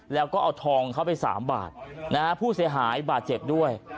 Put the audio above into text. แล้วก็เอาทองเข้าไป๓บาทนะฮะผู้เสียหายบาดเจ็บด้วย